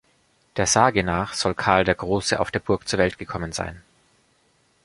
Der Sage nach soll Karl der Große auf der Burg zur Welt gekommen sein.